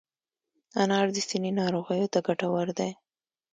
انار د سینې ناروغیو ته ګټور دی.